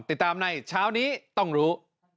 ติดตามในเช้านี้ต้องรู้